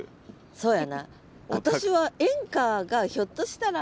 そうやな。